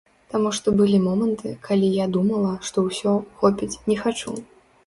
Таму што былі моманты, калі я думала, што ўсё, хопіць, не хачу.